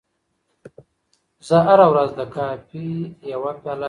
زه هره ورځ د کافي یوه پیاله څښم.